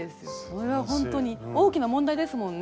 それはほんとに大きな問題ですもんね。